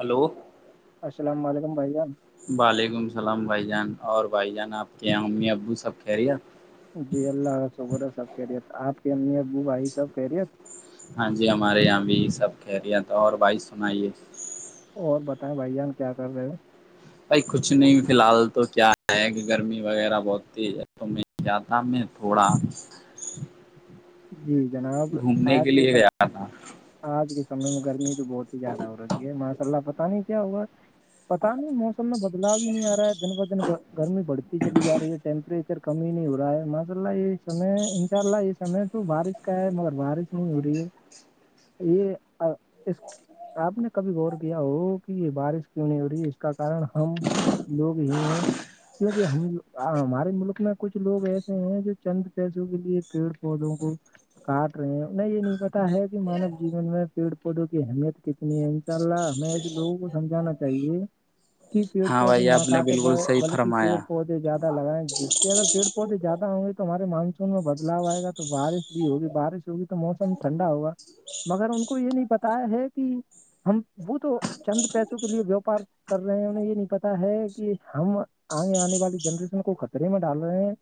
Hello السلام علیکم بھائی جان وعلیکم السلام بھائی جان اور بھائی جان آپ کے یہاں امی ابو سب خیریت جی اللہ شکر سب خیریت آپ کے امی ابو بھائی سب خیریت ہاں جی ہمارے یہاں بھی یہ سب خیریت اور بھائی سنائیے اور بتائیں بھائی جان کیا کر رہے ہو بھائی کچھ نہیں فی الحال تو کیا ہے کہ گرمی وغیرہ بہت تھی ہے تو کیا تھا میں تھوڑا جی جناب گھومنے آج کے لیے سم گیا آج کے سمے میں گرمی تو بہت ہی زیادہ ہو رہی ہے ماشاء اللہ پتاہ نہیں کیا ہوا پتا نہیں موسم میں بدلاؤ ہی نہیں آ رہا ہے دن ب دن گرمی بڑھتی چلی جا رہی ہے ٹٹیمپریچر کم ہی نہیں ہو رہا ہے ماشا اللہ یہ سنے انشاء اللہ سمے تو بارش کا ہے مگر بارش نہیں ہو رہی ہے یہ اس آپ نے کبھی غور کیا ہو کہ یہ بارش کیوں نہیں ہو رہی ہے اس کارن ہم لوگ ہی ہیں کیوںکہ ہم ہمارے ملک میں کچھ لوگ ایسے ہیں جو چند پیسوں کے لیے پودوں کو کاٹ رہے ہیں انہیں یہ نہیں پتا ہے کہ مانو جیون میں پیڑ پودوں کی اہمیت کتنی ہے انشاء اللہ ہمیں ایسے لوگوں کو سمجھانا چاہیے پیڑ ہاں پودے بھائی نا آپ نے کاٹے بالکل صحیح بلکہ فرمایا پیڑ پودے زیادہ لگائیں جس سے اگر پیڑ پودے زیادہ ہوں گے تو ہمارے مانسون میں بدلاؤ آئے گا تو بارش بھی ہوگی بارش ہوگی تو موسم ٹھنڈا ہوگا مگر ان کو یہ نہیں بتایا ہے کہ ہم وہ تو چند پیسوں کے لیے ویوپار کر رہے ہیں انہیں یہ نہیں پتا ہے کہ ہم آگے آنے والی جنریشن کو خطرے میں ڈال رہے ہیں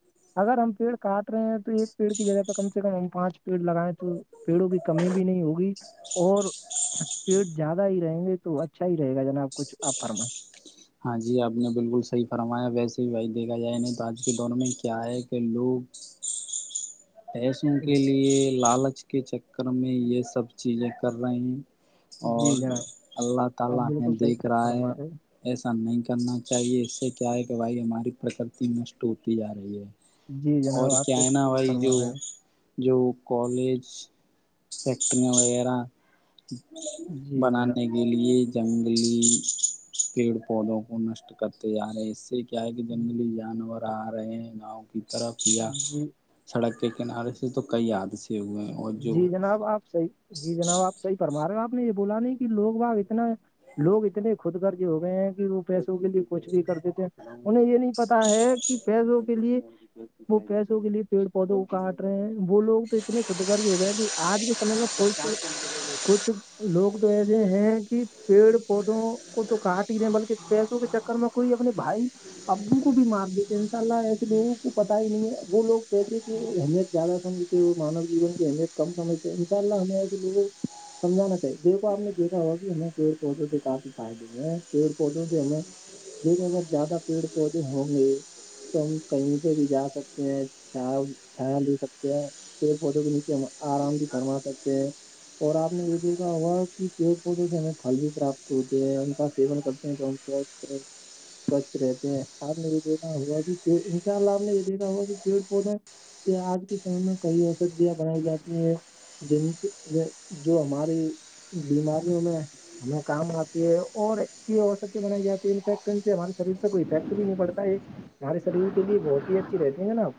اگر ہم پیڑ کاٹ رہے ہیں تو ایک پیڑ کی جگہ کم سے کم ہم پانچ پیڑ لگائے تو پیڑوں کی کمی بھی نہیں ہوگی اور پیٹر زیادہ ہی رہیں گے تو اچھا ہی رہے گا جناب کچھ آپ فرماے ہاں جی آپ نے بالکل صحیح فرمایا ویسے ہی بھائی دیکھا جائے نہیں تو آج کے دور میں کیا ہے کہ لوگ [inaudible] پیسوں کے لیے لالچ کے چکر میں یہ سب چیزیں کر رہے ہیں اور جی جناب اللہ آپ تعالی بالکل انہیں صحیح دیکھ رہا ہے فرما رہے ہیں۔ ایسا نہیں کرنا چاہیے اس سے کیا ہے کہ بھائی ہماری پر یکرتی نشٹ ہوتی جا رہی ہے جی اور جناب آپ کیا سے ہے نا بھائی جو فرما رہے ہو جو کالج فیکٹریاں وغیرہ جی جناب بنانے کے لیے جنگلی پیڑ پودوں کو نشٹ کرتے جا رہے ہیں اس سے کیا ہے کہ جنگلی جانور آ رہے ہیں گاؤں کی طرف یا جی سڑک کے کنارے سے تو کئی حادثے ہوئے ہیں اور جو جی جناب آپ صحیح جی جناب آپ صحیح فرما رہے ہو آپ نے یہ بولا نہیں کہ لوگ وہاں اتنا لوگ اتنے خود گرز ہی ہو گئے ہیں کہ وہ پیسوں کے لیے کچھ بھی کر دیتے ہیں انہیں یہ نہیں پتا ہے کہ پیسوں کے لیے وہ پیسوں کے لیے پیڑ پودوں کو کاٹ رہے ہیں وہ لوگ تو اتنے خود گر ز ہو گیا کہ آج کے سمےمیں کوئی کچھ لوگ تو ایسے ہیں کہ پیڑ پودوں کو تو کاٹ ہی رہے بلکہ پیسوں کے چکر میں کوئی اپنے بھائی ابو کو بھی مار دیتے ان شاء اللہ ایسے لوگوں کو پتا ہی نہیں ہے وہ لوگ پیسے کی اہمیت زیادہ سجھتے ہیں وہ مانو جیون کی اہمیت کم سجھتے ہیں انشاء اللہ ہمیں ایسے سمجھانا چاہیے دیکھو آپ نے دیکھا ہوا کہ ہمیں پیڑ پودوں سے کافی فائدے ہیں پیڑ پودوں سے ہمیں دیکھو اگر زیادہ پیڑ پودے ہوں گے تو ہم کہیں پہ بھی جا سکتے ہیں چھا چھا جا سکتے ہیں پیٹروں کے نیچے ہم آرام بھی فرما سکتے ہیں اور آپ نے یہ دیکھا ہوا کہ پیڑ پودوں سے ہمیں پھل بھی پراپت ہوتے ہیں ان کا سیون کرتے ہیں سے جی سوچھ رہتے تھے آپ نے یہ دیکھا ہوا کہ ان شاء اللہ آپ نے یہ دیکھا ہوا کہ پیڑ پودے [unintelligible] جی جو ہماری بیماری میں [unintelligible] ہمارے شریر لیے بہت ہی اچھی رہتی ہیں جناب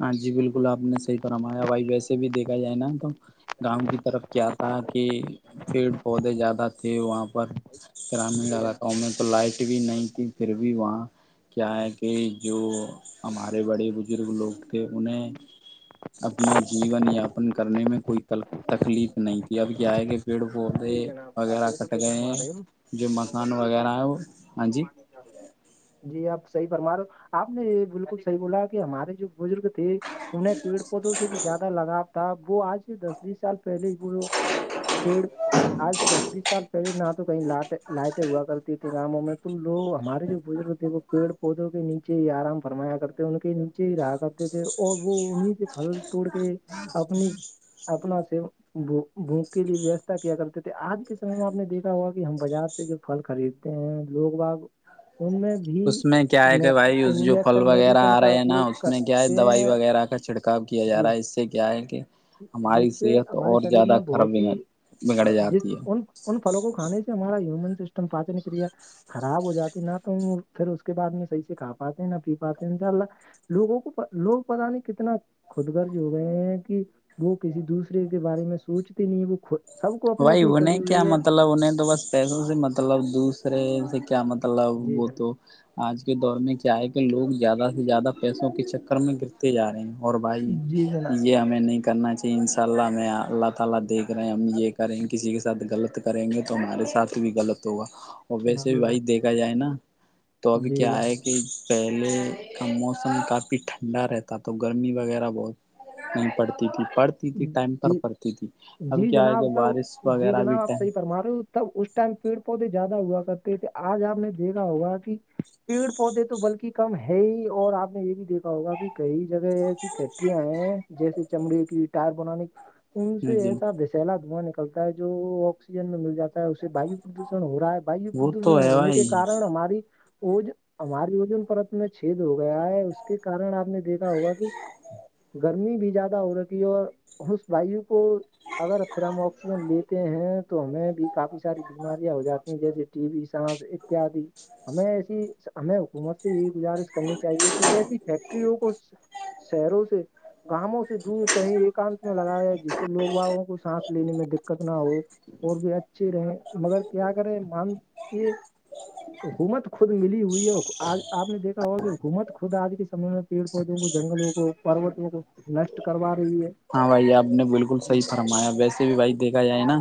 ہاں جی بالکل آپ نے صحیح فرمایا بھائی ویسے بھی دیکھا جائے نا تو گاؤں کی طرف کیا تھا کہ پیڑ پودے زیادہ تھے وہاں پر گرامین جی جناب علاقوں میں تو لائٹ بھی نہیں پھر بھی وہاں کیا ہے کہ جو ہمارے بڑے بزرگ لوگ کہ انہیں اپنا جیون یاپن کرنے میں کوئی تکلیف نہیں تھی اب کیا ہے کہ پیڑ پودے جی جناب آپ وغیرہ بالکل کٹ صحیح گئے فرما ہیں رہے ہو جو مکان وغیرہ ہے وہ ہاں جی [inaudible] جی آپ صحیح فرما رہا ہو آپ نے یہ بالکل صحیح بولا کہ ہمارے جو بزرگ تھے انہیں پیڑ پودوں سے بھی زیادہ لگاؤ تھا وہ آج دس بیس سال پہلے ہی پھر آج سے دس بیس سال پہلے نہ تو کہیں لاٹ لاٹیں ہوا کرتی تھی گؤوں میں تو لوگ ہمارے جو بزرگ تھے وہ پیڑ پودوں کے نیچے ہی آرام فرمایا کرتے تھے ان کے نیچے ہی رہا کرتے تھے اور وہ انہیں سے پھل توڑ کے اپنا سے بھک کے لیے وست کیا کرتے تھے آج کے سم میں آپ نے دیکھا ہوا کہ ہم بازار سے جو پل خریدتے ہیں لوگ باپ [unintelligible] اس میں کیا ہے کہ بھائی اس جو پھل انجیکشن وغیرہ میڈیسن آ کا رہے ہیں نا اپیوگ اس میں کیا ہے کرتے دوائی ہیں وغیرہ کا چھڑکا کااب کیا جا جی رہا ہے اس سے کیا ہے کہ جس ہماری سے صحت ہمارے اور شریر زیادہ میں خراب بہت ہی بگڑ بگڑ جس جاتی ہے ان ان فل کو کھے سے ہمارا ہن سسٹم پاچنکیا خراب ہو جاتی نہ تو پھر اس کے بعد میں صحیح سے کھا پاتے ہیں نہ پی پاتے ہیں انشاء اللہ لوگوں کو لوگ پتا نہیں کتنا خود گرج ہو گئے ہیں کہ وہ کسی دوسرے کے بارے میں سوچتے نہیں وہ سب کو اپنی بھائی اپنی پڑی انہیں کیا ہوئی ہے مطلب انیں تو بس پیسوں سے مطلب دوسرے سے کیا مطلب جی وہ جناب تو آج کے دور میں چے کہ لوگ زیادہ سے زیادہ پیسوں کے چکر میں گرتے جا رہے ہیں اور بھائی جی جناب یہ میں نہیں کرنا چاہیے ان شاء اللہ میں اللہ تعالا دیکھ رہے ہیں مجھے ایک یں کسی کے ساتھ غلط کریں گے تو ہمارے ساتھ بھی غلط ہوگا اور ویسے جی بھی جناب بھائی دیکھا جائے نا تو ابھی جی کیا آ جناب ہے کہ پہلے کا موسم کافی ٹھنڈا رہتا تو گرمی وغیرہ بہت نہیں پڑھتی تھی پڑھتی تھی ٹائم جی پر پڑتی تھی اب جی کیا آئے گ بات رس وغیرہ بھی مار تب اس ٹائم پیڑ پودے زیادہ ہوا کرتے تھے آج آپ نے دیکھا ہوگ پیڑ پودے تو بلکہ کم ہے ہی اور آپ نے یہ بھی دیکا ہوگا کہ کئی جگہ ایسی فیکٹریاں ہیں جیسے چمڑے کی ٹر بنانے ان سے جی ایسا دسلا دھواں نکلتا ہے جو آکسیجن میں مل جاتا اس سے واو پردوشن ہو رہا ہے واو وہ پردوشن تو ہے ہونے کے بھائی کن ہماری اج ہمار وجن پرت میں چھید ہو گیا ہے اس کے کن آپ نے دیکھا ہوگا کہ گرمی بھی زیادہ ہو رہی اور اس وایو کو اگر پھر ہم آکسیجن لیتے ہیں تو ہمیں بھی کافی ساری بیماریاں ہو جاتی جیسے ٹی وی سانس اتیادی ہمیں ایسی ہمیں حکومت سے یہ گزارش کرنی چاہیے کہ ایسی فیکٹریوں کو شہروں سے گاؤوں سے دور ت میں لگایا ہے جس سے لوگواوں کو سانس لینے میں دقت نہ ہو اور بھی اچھی رہے مگر کیا کریں مان یہ ہوکومت خود ملی ہوئی ہے آج آپ نے دیکھا ہوا کہ ہوکومت خود آج کے سمے میں پیڑ پودوں کو جنگلوں کو پروتوں کو نشٹ کروا رہی ہے ہاں بھائی آپ نے بالکل صحیح فرمایا ویسے بھی بھائی دیکھا جائے نا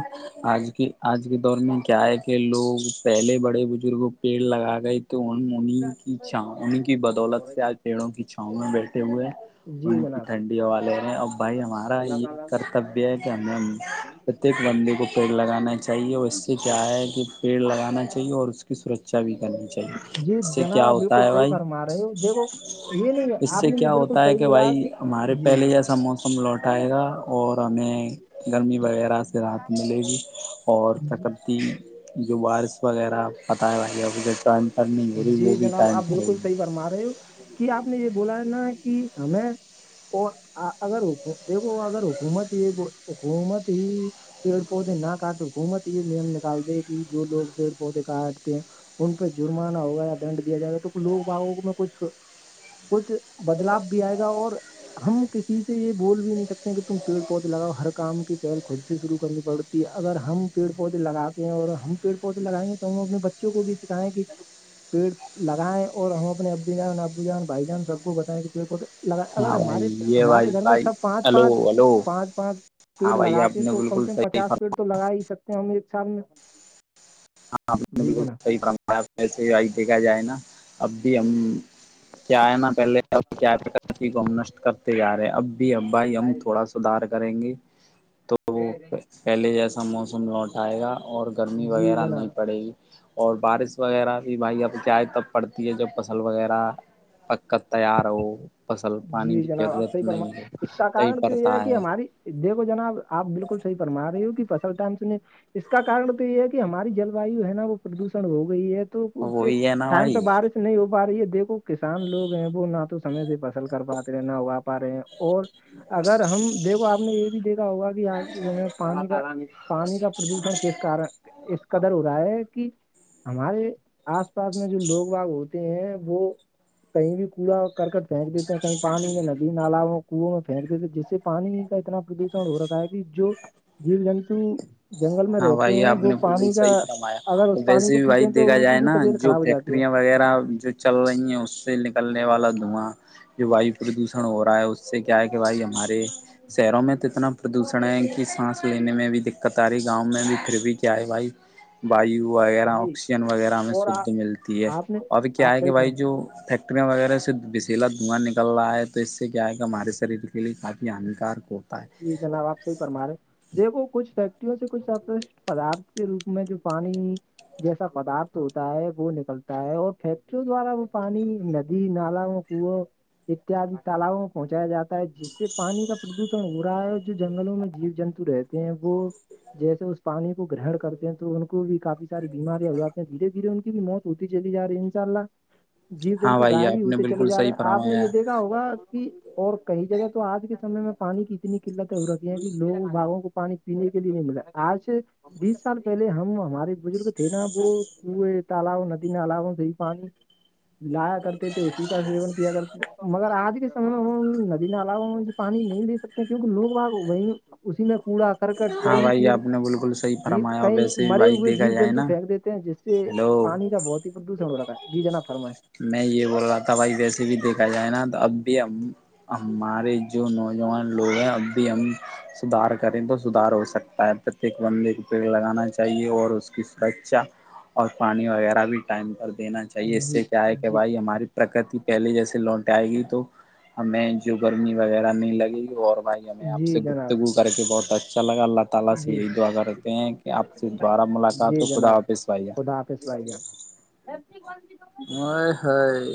آج کی آج کے دور میں کیا ہے لوگ پہلے بڑے بزرگ پیڑ لگا گئے تو ان ان کی چھاون کی بدولت سے آج پیڑوں کی چھاؤ میں بیٹھے ہوئے جی ان کی جناب ٹھنڈی والے ہیں اورب بھائی ہمارے ہمارا یہ کرتبیہ ہے کہ ہمیں پرتیک بندے کو پیڑ لگانا چاہیے اور سے کیا ہے کہ پیڑ لگانا چاہیے اور اس کی سرکچا بھی کرنی چاہیے جی اس سے جناب کیا آپ ہوتا بالکل ہے صحیح بھائی فرما رہے ہو دیکھو یہ نہیں ہے، اس آپ سے نے یہ کیا بالکل ہوتا ہے صحیح کہ بولا بھائی ہمارے جی پہلے جیسا موسم ہم لوٹائے گا اور ہمیں گرمی وغیرہ سے راحت ملے گی اور تپتی جو بارش وغیرہ پتا جی جناب آپ پر بالکل صحیح ہوگی فرما رہے ہو کہ آپ نے یہ بولا ہے نا کہ ہمیں اور اگر دیکھو اگر حکومت ہی حکومت ہی پیڑ پودے نہ کاٹ حکومت یہ نیم نکالتے کہ جو لوگ پیڑ پودے کاٹتے ہیں ان پہ جرمانہ ہوگا یا دنڈ دیا جائے گا تو لوگ باگوں میں کچھ کچھ بدلاؤ بھی آئے گا اور ہم کسی سے یہ بول بھی نہیں سکتے ہیں کہ تم پیڑ پودے لگاؤ ہر کام کی پہل خود سے شرو کرنی پڑ کہ اگر ہم پیڑ پودے لگاتے ہیں اور ہم پیڑ پودے لگائیں گے تو ہم اپنے بچوں کو بھی سکھائیں کہ پیڑ لگائیں اور ہم اپنے ابو جان ابو جان بھائی جان سب کو بتائیں کہ تے اگر ہاں بھائی ہمارے یہ بھائی ہمارے گھر میں بھائی سب پانچ ہلو پانچ ہلو پانچ پانچ پیڑ ہاں بھائی آپ لگاتے ہیں نے تو کم بالکل سے کم صحیح پچاس پیڑ فرمایا تو لگا ہی سکتے ہیں ہم ایک سال میں ہاں جی جناب صحیحسے دیکھا جائے نا اب بھی ہم کیا ہے نا پہلے ا کیا ہم نشٹ کرتے جا رہے ہیں اب ا بھائی ہم تھوڑا سدھار کریں گے تو جی وہ ج پہلے جیسا موسم لوٹ آئے گا اور گرمی جی وغیرہ جناب نہیں پڑے گی اور بارش وغیرہ بھی بھائی اب کیا ہے تب پڑتی ہے جب فصل وغیرہ پک کر تیار ہو فصل پانی جی کی جناب آب ضرورت صحیح فما نہیں ہے اس کا صحیح کارن تو یہ ہے پڑتا کہ ہماری دیکھو جناب آپ بالکل صحی فما رہی ہو کہ فصل م س اس کا کن تو یہ ہے کہ ہماری جل وایو ہے نا وہ پردوشن ہو گئی ہے تو اس سے وہی ہے نا ٹائم پہ بھائی بارش نہیں ہو پا رہی ہے دیکھو کسان لوگ ہیں وہ نہ تو سمے سے پ ل کر بات رہے نہ ہوا پا رہے ہیں اور اگر ہم دیکھو آپ نے یہ بھی دیکھا ہوگا کہ آج کے سمے میں پانی کا پانی کا پردوشن کس کارن اس قدر ہو رہا ہے کہ ہمارے آس پاس میں جو لوگ باغ ہوتے ہیں وہ کہیں بھی کوڑا کرکٹ پھینک دیتے ہیں کہیں پانی میں ندی نالا کنووں میں پھینک دیتے ہیں جس سے پانی کا اتنا پردوشن ہو رہا ہے کہ جو جییر جنتو جنگل میں ہاں رہتے بھائی ہیں آپ وہ نے بالکل پانی کا صحیح فرمایا اگر اور اس پانی ویسے کو بھی پیتے بھائی ہیں تو دیکھا ان کی جائے بھی نا طبیعت جو خراب ہو ف جاتی ہے فٹریاں وغیرہ جو چل رہی ہیں اس سے نکلنے والا دھواں جو وایو پردوشن ہو رہا ہے اس اس سے کیا ہے کہ بھائی ہمارے شہروں میں تو اتنا پردوشن ہے کی سانس لینے میں بھی دقت آ رہی ہے گاؤں میں بھی پھر بھی کیا ہے بھائی وایو وغیرہ جی آکسیجن وغیرہ ہمیں اور شدھ ملتی ہے آپ نے اورب کیا آپ ہے کہ صحیح بھائی فرم جو ٹیکٹریاں وغیرہ سے بسیلا دھواں نکل رہا ہے تو اس سے کیا ہے کہ ہمارے شریر کے لیے کافی ہانیکارک ہوتا ہے جی جناب آپ سےحی پرمارے دیکھو کچھ فیکٹریوں سے کچھ اپش پدارت کے روپ میں جو پانی جیسا پدارتھ ہوتا ہے وہ نکلتا ہے اور فیکٹریوں دوارا وہ پانی ندی نالا وہ اتیاد تالاب میں پہنچایا جاتا ہے جس سے پانی کا پردوش ہو رہا ہے جو جنگلوں میں جیو جنتو رہتے ہیں وہ جیسے اس پانی کو گرہن کرتے ہیں تو ان کو بھی کاف ساری بیماریاں ہو جاتی ہیں دھیرے دھیرے ان کی بھی موت تتی چلی جا رہے انسء اللہ جیب ہاں جنتو بھائی گائےب بھی آپ نے ہوتے چلے بالکل جا رہے صحیح ہیں آپ نے فرمایا یہ ہے۔ دیکھا ہوگا کہ اور کئی جگہ تو آج کے سمے میں پانی کی اتنی قلتیں ہو رتی ہیں لوگ باغوں کو پانی پینے کے لیے نہیں ملاے ہے آج سے بیس سال پہلے ہمارے بزرگ تھے نا وہ کئے تالؤ ندی نالؤ سے ہی پانی لایا کرتے تھے اسی کا سیون کیا کرتے تھے مگر آج کے سمے میں ندی نال پانی نہیں دے سکتے کیونکہ لوگگ وہی اسی میں کوڑا کرکٹ ہاں بھائی پولیتین آپ نے بالکل صحیح ج فرمایا اور کئی ویسے بھی مرے بھائی ہوئے دیکھا جیو جائے جنتو نا پھینک دیتے ہیں جس سے ہیلو پانی کا بہت ہی پردوشن ہو رہا ہے جی جناب فرمائے میں یہ بول رہا تھا بھائی ویسے بھی دیکھا جائے نا اب بھی ہم ہمارے جو نوجوان لوگ ہیں اب بھی ہم سدار کریں تو سدھار ہو سکتا ہے پرتیک بندے کو پیڑ لگانا چاہیے اور اس کی سرکچا اور پانی وغیرہ بھی ٹائم پر دینا چاہیے اس جی سے کیا ہے کہ جی بھائی ہماری پرکتی پہلے جیسے لوٹ آئے گی تو ہمیں جو گرمی وغیرہ نہیں لگی اور بھائی ہمیں آپ سے جی جناب گفتگو کر کے بہت اچھا لگا اللہ اللہ سے جی یہی دعا کرتے ہیں کہ اپ سے دوبارہ ملاقات ہو جی خدا جناب حافظ بھائی [unintelligible] اے ہائے